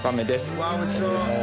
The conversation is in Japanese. うわおいしそう。